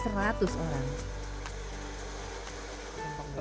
pertama tama sih kita melihatnya